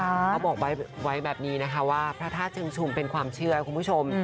เขาบอกไว้แบบนี้นะคะว่าพระธาตุเชิงชุมเป็นความเชื่อคุณผู้ชม